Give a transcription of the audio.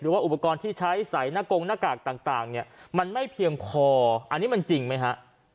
ว่าอุปกรณ์ที่ใช้ใส่หน้ากงหน้ากากต่างเนี่ยมันไม่เพียงพออันนี้มันจริงไหมฮะ